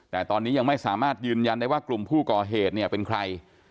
แต่ตอนนี้ยังไม่สามารถยืนยันได้ว่ากลุ่มผู้ก่อเหตุเนี่ยเป็นใคร